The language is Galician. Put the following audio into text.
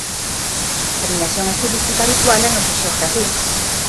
Combinación estilística habitual na nosa xeografía.